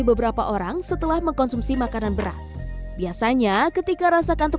beberapa orang setelah mengkonsumsi makanan berat biasanya ketika rasa kantuk